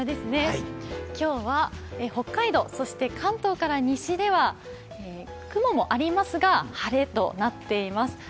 今日は北海道そして関東から西では雲もありますが、晴れとなっています。